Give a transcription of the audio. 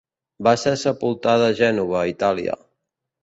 Va ser sepultada a Gènova, Itàlia.